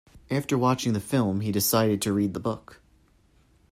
After watching the film, he decided to read the book.